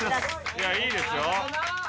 いやいいですよ